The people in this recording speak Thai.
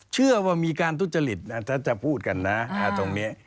เชื่อว่ามีการทุจริตถ้าจะพูดกันนะตรงนี้